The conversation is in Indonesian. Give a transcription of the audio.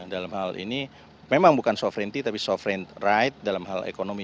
dalam hal ini memang bukan sovereignty tapi sovereign right dalam hal ekonomi